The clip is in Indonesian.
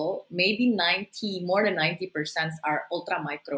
lebih dari sembilan puluh adalah ultra mikro